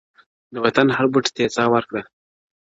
د وطـن هـــر بــوټـــي تـــې ســــاه وركـــــــړې.